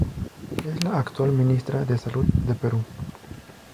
Es la actual ministra de Salud de Perú.